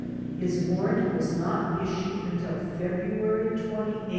His warrant was not issued until February 28, 1920.